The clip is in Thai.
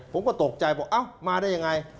ผมก็ตกใจบอกเอ้ามาได้ยังไง